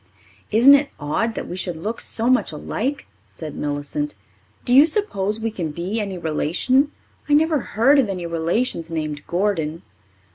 "Isn't it odd that we should look so much alike?" said Millicent. "Do you suppose we can be any relation? I never heard of any relations named Gordon."